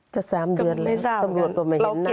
จะ๓เดือนเลยตำรวจต้องมาเห็นหน้า